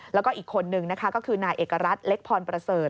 แล้วก็อีกคนนึงนะคะก็คือนายเอกรัฐเล็กพรประเสริฐ